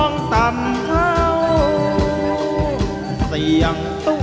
กลับไปที่นี่